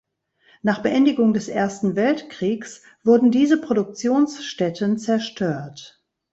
Nach Beendigung des Ersten Weltkriegs wurden diese Produktionsstätten zerstört.